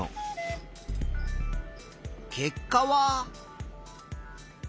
結果は。